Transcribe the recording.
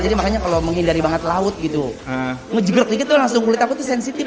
jadi makanya kalau menghindari banget laut gitu ngejegerk dikit tuh langsung kulit aku tuh sensitif